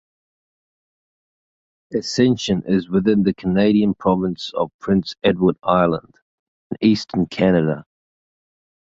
Ascension is within the Canadian province of Prince Edward Island, in Eastern Canada.